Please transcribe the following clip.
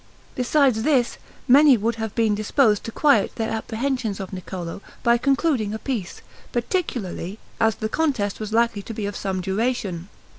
Besides this, many would have been disposed to quiet their apprehensions of Niccolo, by concluding a peace; particularly, as the contest was likely to be of some duration.